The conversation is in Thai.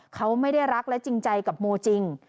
เขาไม่ได้รักและจริงใจกับโมจริง